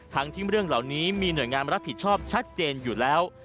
ทั้งที่เรื่องเหล่านี้มีหน่วยงานรับผิดชอบชัดเจนอยู่แล้ว